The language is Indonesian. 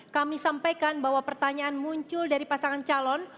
kami sampaikan bahwa pertanyaan muncul dari pasangan calon